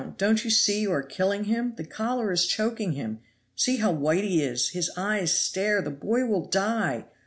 Don't you see you are killing him? The collar is choking him! See how White he is! His eyes stare! The boy will die!